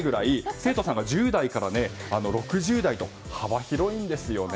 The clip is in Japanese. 生徒さんが１０代から６０代と幅広いんです。